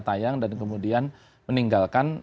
tayang dan kemudian meninggalkan